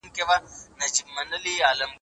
موږ چي ول دا مېوې به ارزانه وي